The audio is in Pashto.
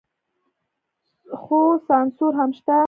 خو سانسور هم شته.